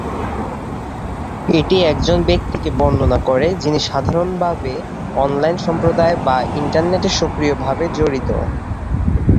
এটি একজন ব্যক্তিকে বর্ণনা করে যিনি সাধারণভাবে অনলাইন সম্প্রদায় বা ইন্টারনেটে সক্রিয়ভাবে জড়িত।